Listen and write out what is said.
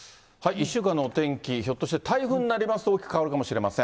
１週間のお天気、ひょっとして台風になりますと、大きく変わるかもしれません。